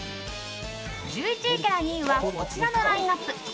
１１位から２位はこちらのラインアップ。